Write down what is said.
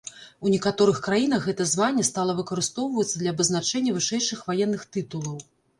У некаторых краінах гэта званне стала выкарыстоўвацца для абазначэння вышэйшых ваенных тытулаў.